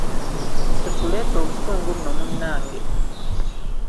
Totuleeta obusungu nno munnange!